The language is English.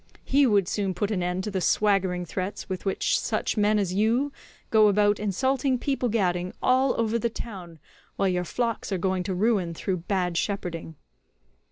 He would soon put an end to the swaggering threats with which such men as you go about insulting people—gadding all over the town while your flocks are going to ruin through bad shepherding."